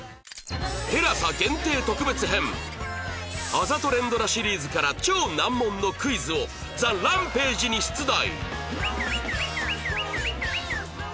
あざと連ドラシリーズから超難問のクイズを ＴＨＥＲＡＭＰＡＧＥ に出題！